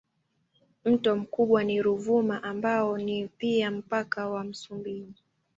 Mto mkubwa ni Ruvuma ambao ni pia mpaka wa Msumbiji.